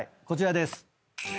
こちらです。